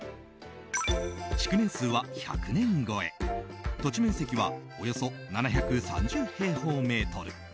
築年数は１００年超え土地面積はおよそ７３０平方メートル